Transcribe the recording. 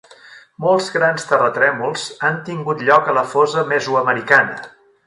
Molts grans terratrèmols han tingut lloc a la fosa mesoamericana.